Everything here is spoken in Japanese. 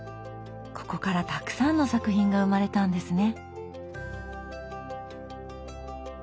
ここからたくさんの作品が生まれたんですね。